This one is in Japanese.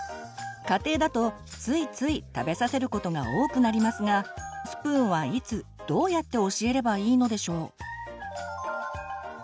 家庭だとついつい食べさせることが多くなりますがスプーンはいつどうやって教えればいいのでしょう？